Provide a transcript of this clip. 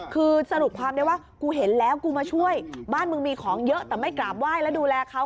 คือสรุปความได้ว่ากูเห็นแล้วกูมาช่วยบ้านมึงมีของเยอะแต่ไม่กราบไหว้แล้วดูแลเขา